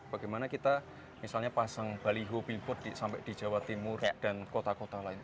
bagaimana kita misalnya pasang baliho billboard sampai di jawa timur dan kota kota lain